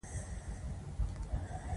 که په چا ځان ګران وي